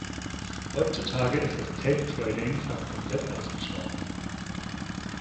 Heutzutage ist das Tape-Trading fast komplett ausgestorben.